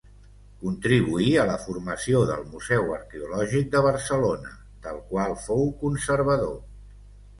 Contribuí a la formació del Museu Arqueològic de Barcelona, del qual fou conservador.